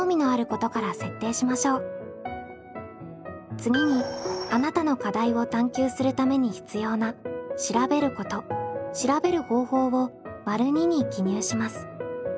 次にあなたの課題を探究するために必要な「調べること」「調べる方法」を②に記入します。